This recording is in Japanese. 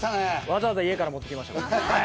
わざわざ家から持ってきました。